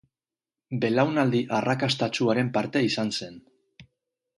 Belaunaldi arrakastatsuaren parte izan zen.